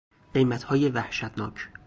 قیمتهای وحشتناک